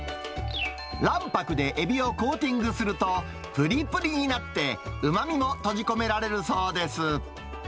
卵白でエビをコーティングすると、ぷりぷりになって、うまみも閉じ込められるそうです。